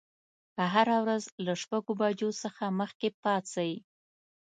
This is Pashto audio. هره ورځ له شپږ بجو څخه مخکې پاڅئ.